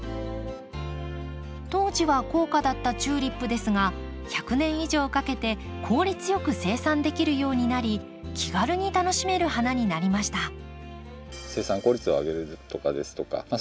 当時は高価だったチューリップですが１００年以上かけて効率よく生産できるようになり気軽に楽しめる花になりました。